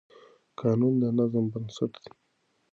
قانون د نظم بنسټ دی.